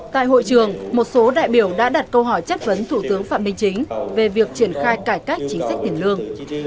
tại hội trường một số đại biểu đã đặt câu hỏi chất vấn thủ tướng phạm minh chính về việc triển khai cải cách chính sách tiền lương